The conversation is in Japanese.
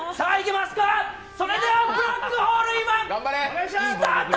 それでは「ブラックホールホンワン」スタート！